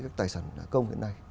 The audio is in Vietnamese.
các tài sản công hiện nay